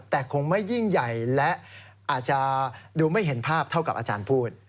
แต่คงไม่ยิ่งใหญ่และอาจจะดูไม่เห็นภาพเท่ากับอาจารย์พูด